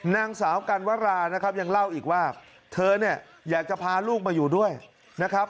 นางสาวกันวรานะครับยังเล่าอีกว่าเธอเนี่ยอยากจะพาลูกมาอยู่ด้วยนะครับ